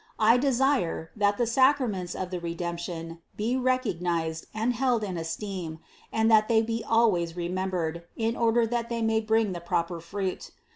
I desire, that the sacraments of the Redemption be recognized and held in esteem and that they be always remembered, in order that they may bring the proper fruit.